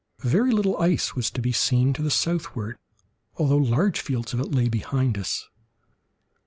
Very little ice was to be seen to the southward, although large fields of it lay behind us.